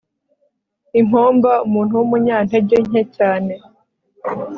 impomba umuntu w'umunyantege nke cyane